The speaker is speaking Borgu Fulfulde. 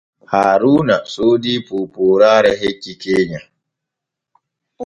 Haaruuna soodii poopooraare hecce keenya.